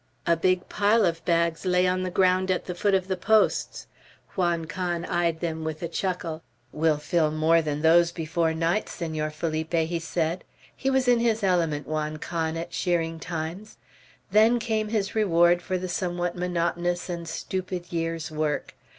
A big pile of bags lay on the ground at the foot of the posts. Juan Can eyed them with a chuckle. "We'll fill more than those before night, Senor Felipe," he said. He was in his element, Juan Can, at shearing times. Then came his reward for the somewhat monotonous and stupid year's work.